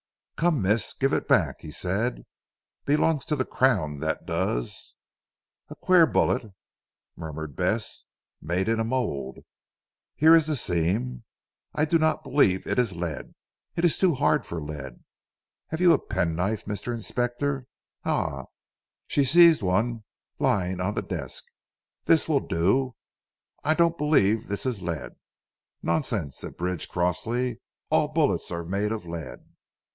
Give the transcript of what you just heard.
"Come Miss give it back?" he said. "Belongs to the Crown that does." "A queer bullet," murmured Bess, "made in a mould. Here is the seam. I do not believe it is lead. It is too hard for lead. Have you a pen knife Mr. Inspector? Ah," she seized one lying on the desk, "this will do. I don't believe this is lead." "Nonsense," said Bridge crossly, "all bullets are made of lead."